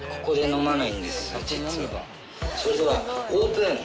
それではオープン！